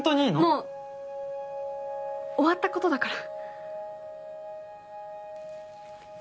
もう終わったことだから。